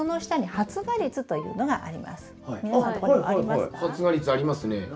発芽率ありますね。